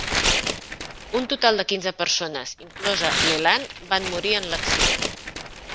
Un total de quinze persones, inclosa Leland, van morir en l'accident.